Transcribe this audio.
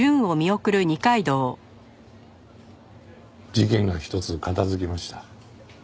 事件がひとつ片付きました。